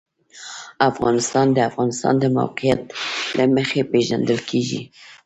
افغانستان د د افغانستان د موقعیت له مخې پېژندل کېږي.